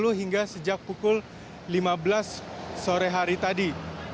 hingga sejak pukul lima belas sore hari tadi